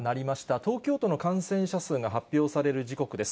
東京都の感染者数が発表される時刻です。